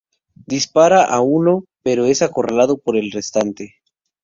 Dispara a uno, pero es acorralado por el restante.